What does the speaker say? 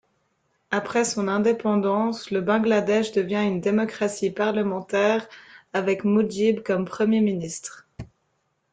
Après son indépendance le Bangladesh devient une démocratie parlementaire avec Mujib comme Premier ministre.